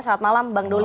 selamat malam bang doli